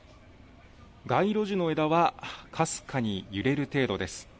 街路樹の枝はかすかに揺れる程度です。